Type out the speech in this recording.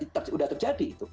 itu sudah terjadi